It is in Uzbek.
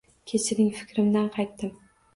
Kechiring, fikrimdan qaytdim.